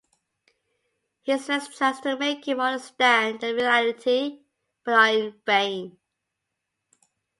His friends tries to make him understand the reality but are in vain.